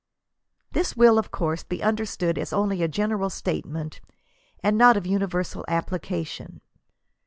* This willy of course, be understood as only a general statement, and not of universal application.